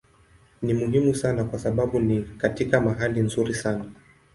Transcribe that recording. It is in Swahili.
Ni muhimu sana kwa sababu ni katika mahali nzuri sana.